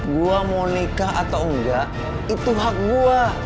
gue mau nikah atau enggak itu hak gue